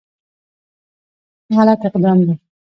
غلط اقدام دی.